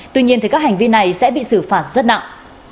tuy nhiên các hành vi này sẽ bị xử phạt rất nặng